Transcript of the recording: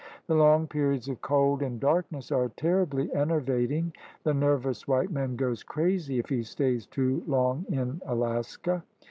The long periods of cold and darkness are terribly enervating. The nervous white man goes crazy if he stays too long in Alaska.